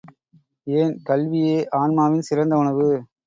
ஏன் கல்வியே ஆன்மாவின் சிறந்த உணவு.